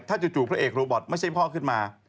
ถ้าจู่พระเอกโรบอตไม่ใช่พ่อขึ้นมา